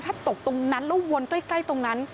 ถ้าตกตรงนั้นแล้ววนใกล้ตรงนั้น